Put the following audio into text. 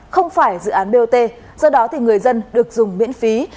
không phải dự án bot do đó thì người dân được dùng miễn phí